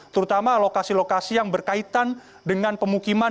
terutama lokasi lokasi yang berkaitan dengan pemukiman